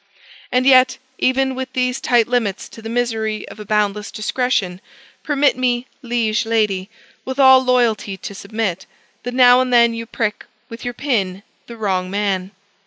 And yet, even with these tight limits to the misery of a boundless discretion, permit me, liege Lady, with all loyalty, to submit that now and then you prick with your pin the wrong man.